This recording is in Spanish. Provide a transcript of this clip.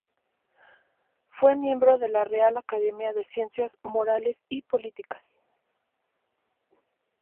Fue miembro de la Real Academia de Ciencias Morales y Políticas.